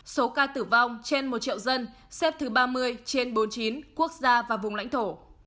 số ca tử vong trên một triệu dân xếp thứ ba mươi trên bốn mươi chín quốc gia và vùng lãnh thổ